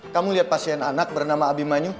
kamu lihat pasien anak bernama abi manyu